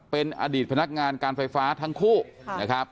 เป็นอดีตพนักงานการไฟฟ้าทั้งคู่นะครับ